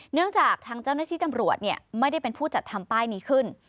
เนื่องจากทางเจ้าหน้าที่ตำรวจไม่ได้เป็นผู้จัดทำป้ายนี้ขึ้น